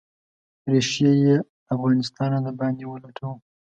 ریښې یې له افغانستانه د باندې ولټوو.